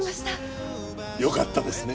よかったですね。